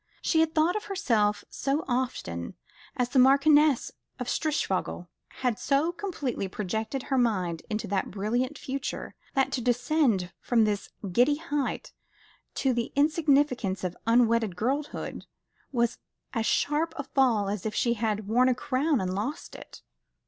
She had thought of herself so often as the Marchioness of Strishfogel, had so completely projected her mind into that brilliant future, that to descend from this giddy height to the insignificance of unwedded girlhood was as sharp a fall as if she had worn a crown and lost it.